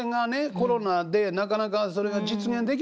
コロナでなかなかそれが実現できなかったでしょ？